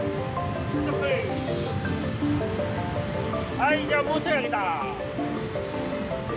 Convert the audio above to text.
はいじゃあもうちょい上げた。